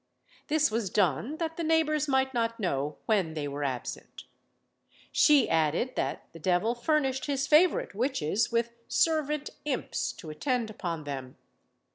This was done that the neighbours might not know when they were absent. She added that the devil furnished his favourite witches with servant imps to attend upon them.